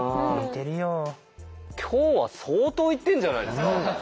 今日は相当いってるんじゃないですか。